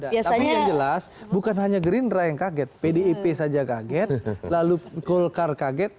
tapi yang jelas bukan hanya gerindra yang kaget pdip saja kaget lalu golkar kaget